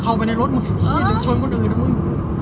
เข้าไปในรถมึงเหี้ยเดี๋ยวชวนคนอื่นนะมึง